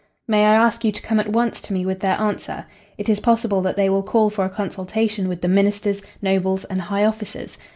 May I ask you to come at once to me with their answer. It is possible that they will call for a consultation with the ministers, nobles and high officers.